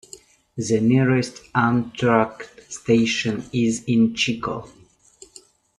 The nearest Amtrak station is in Chico.